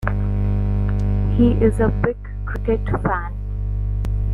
He is a big cricket fan.